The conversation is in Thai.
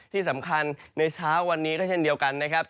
ที่สำคัญในเช้าวันนี้ก็เช่นเดียวกันนะครับ